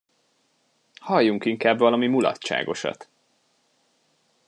Halljunk inkább valami mulatságosat!